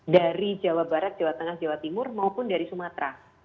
dari jawa barat jawa tengah jawa timur maupun dari sumatera